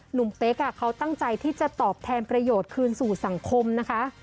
เป๊กเขาตั้งใจที่จะตอบแทนประโยชน์คืนสู่สังคมนะคะ